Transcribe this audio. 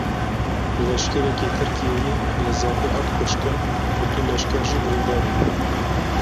Leşkerekî Tirkiyeyê li Zapê hat kuştin û du leşker jî birîndar in.